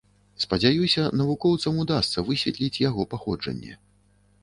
Спадзяюся, навукоўцам удасца высветліць яго паходжанне.